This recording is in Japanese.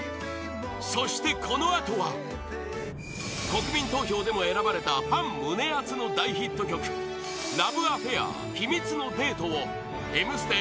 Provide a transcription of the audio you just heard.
そして、このあとは国民投票でも選ばれたファン胸アツの大ヒット曲「ＬＯＶＥＡＦＦＡＩＲ秘密のデート」を「Ｍステ」